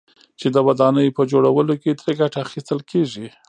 چې د ودانيو په جوړولو كې ترې گټه اخيستل كېږي،